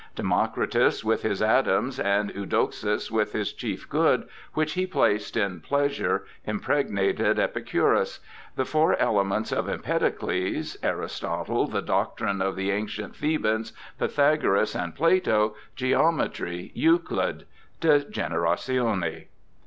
Democritus with his atoms, and Eudoxus with his chief good, which he placed in pleasure, impregnated Epi curus ; the four elements of Empedocles, Aristotle ; the doctrine of the ancient Thebans, Pythagoras and Plato ; geometry, Euclid ' {De Generatione).